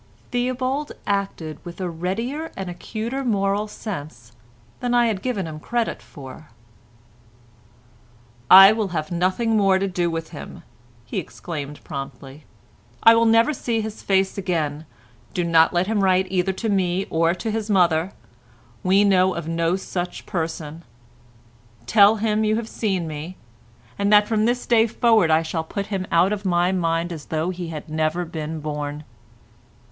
Theobald acted with a readier and acuter moral sense than I had given him credit for. "I will have nothing more to do with him," he exclaimed promptly, "I will never see his face again; do not let him write either to me or to his mother; we know of no such person. Tell him you have seen me, and that from this day forward I shall put him out of my mind as though he had never been born.